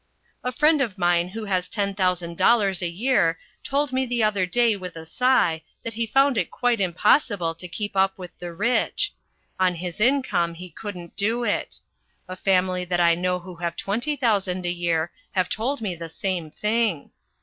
A friend of mine who has ten thousand dollars a year told me the other day with a sigh that he found it quite impossible to keep up with the rich. On his income he couldn't do it. A family that I know who have twenty thousand a year have told me the same thing.